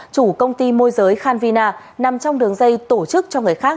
chủ công ty môi giới khanvina nằm trong đường dây tổ chức cho người khác